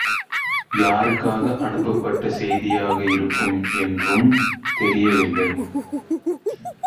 யாருக்காக அனுப்பப்பட்ட செய்தியாக இருக்கும் என்றும் தெரியவில்லை.